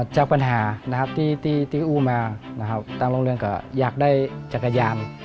จากปัญหาที่อู่มาตามโรงเรียนก็อยากได้จักรยาน